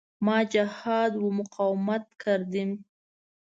ما جهاد و مقاومت کردیم.